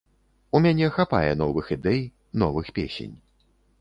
У мяне хапае новых ідэй, новых песень.